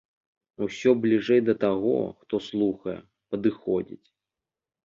Усё бліжэй да таго, хто слухае, падыходзіць.